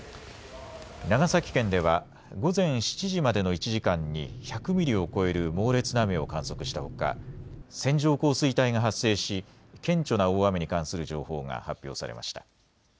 長崎県では午前７時までの１時間に１００ミリを超える猛烈な雨を観測したほか線状降水帯が発生し顕著な大雨に関する情報が発表されました。